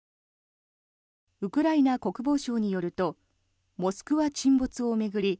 ウクライナ国防省によると「モスクワ」沈没を巡り